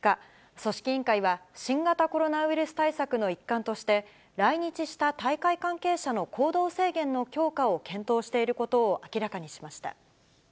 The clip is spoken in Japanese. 組織委員会は、新型コロナウイルス対策の一環として、来日した大会関係者の行動制限の強化を検討していることを明らかにしました。